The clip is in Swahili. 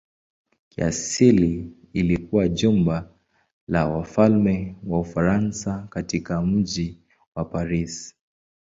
Kiasili ilikuwa jumba la wafalme wa Ufaransa katika mji wa Paris.